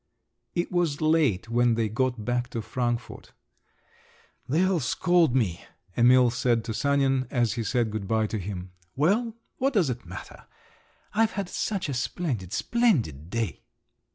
It was late when they got back to Frankfort. "They'll scold me," Emil said to Sanin as he said good bye to him. "Well, what does it matter? I've had such a splendid, splendid day!"